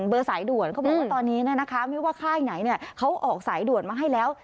เบอร์สายด่วนเขาบอกว่าตอนนี้ไม่ว่าค่ายไหนเขาออกสายด่วนมาให้แล้ว